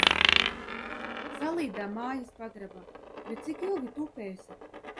Salīdām mājas pagrabā, bet cik ilgi tupēsi.